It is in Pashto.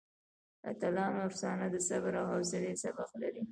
د اتلانو افسانه د صبر او حوصلې سبق لري.